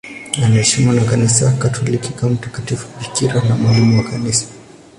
Anaheshimiwa na Kanisa Katoliki kama mtakatifu bikira na mwalimu wa Kanisa.